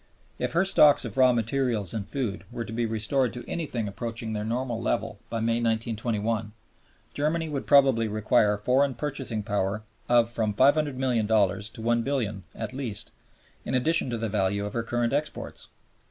If her stocks of raw materials and food were to be restored to anything approaching their normal level by May, 1921, Germany would probably require foreign purchasing power of from $500,000,000 to $1,000,000,000 at least, in addition to the value of her current exports.